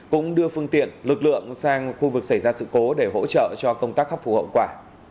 cũng đưa phương tiện lực lượng sang khu vực xảy ra sự cố để hỗ trợ cho công tác khắc phục hậu quả